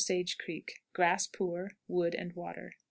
Sage Creek. Grass poor; wood and water.